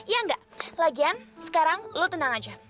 ya enggak lagian sekarang lo tenang aja